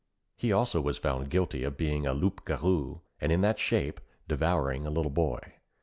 He also was found guilty of being a loup garou, and in that shape devouring a little boy.